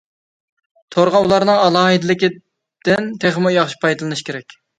توردا ئۇلارنىڭ ئالاھىدىلىكىدىن تېخىمۇ ياخشى پايدىلىنىش كېرەك.